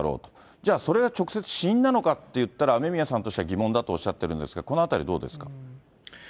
じゃあそれが直接死因なのかっていったら、雨宮さんとしては疑問だとおっしゃってるんですけれども、このあたりどうですか。